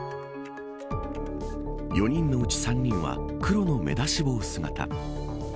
４人のうち３人は黒の目出し帽姿。